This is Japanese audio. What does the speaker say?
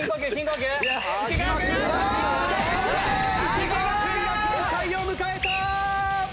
池川君が限界を迎えた！